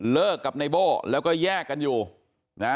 เลิกกับนายโบ้แล้วก็แยกกันอยู่นะ